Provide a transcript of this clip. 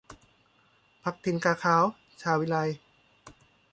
พรรคถิ่นกาขาวชาววิไล